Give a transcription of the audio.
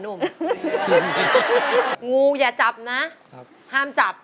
หรือกลับเบาหล่อ